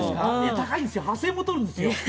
高いんですよ、８０００円も取るんですよ。